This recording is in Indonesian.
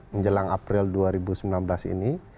menjelang april dua ribu sembilan belas ini